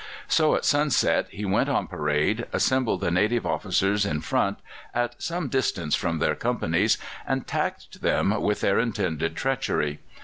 So at sunset he went on parade, assembled the native officers in front, at some distance from their companies, and taxed them with their intended treachery.